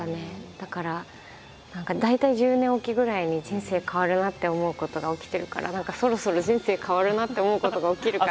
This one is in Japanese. だから何か大体１０年置きぐらいに人生変わるなって思うことが起きてるから何かそろそろ人生変わるなって思うことが起きるかなって。